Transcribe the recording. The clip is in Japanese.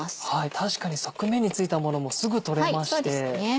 確かに側面に付いたものもすぐ取れまして。